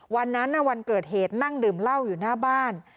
วันนั้นวันเกิดเหตุนั่งดื่มเหล้าอยู่หน้าบ้าน